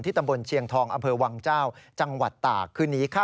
ที่ตำบลเชียงทองอวังเจ้าจังหวัดตาก